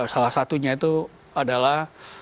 salah satunya itu adalah